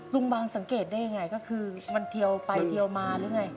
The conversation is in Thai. บางสังเกตได้ยังไงก็คือมันเทียวไปเทียวมาหรือไง